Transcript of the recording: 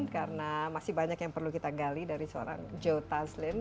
karena masih banyak yang perlu kita gali dari seorang joe taslim